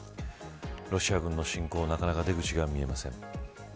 ロシア軍の侵攻なかなか出口が見えません。